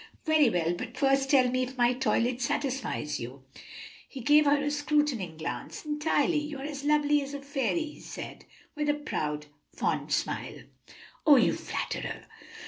"Very well; but first tell me if my toilet satisfies you." He gave her a scrutinizing glance. "Entirely; you are as lovely as a fairy," he said, with a proud, fond smile. "Oh, you flatterer!"